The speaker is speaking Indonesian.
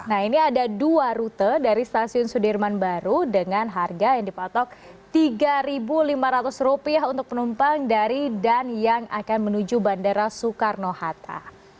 nah ini ada dua rute dari stasiun sudirman baru dengan harga yang dipatok rp tiga lima ratus untuk penumpang dari dan yang akan menuju bandara soekarno hatta